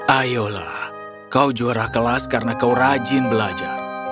ayolah kau juara kelas karena kau rajin belajar